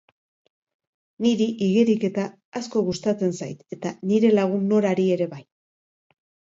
Niri igeriketa asko gustatzen zait eta nire lagun Norari ere bai